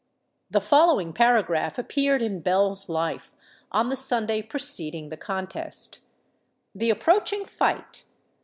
The following paragraph appeared in Bell's Life, on the Sunday preceding the contest:— "THE APPROACHING FIGHT.